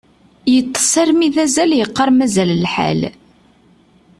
Yeṭṭes armi d azal, yeqqar mazal lḥal.